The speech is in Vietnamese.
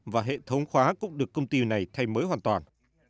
và hệ thống khóa cũng được công ty này thay mới hoàn toàn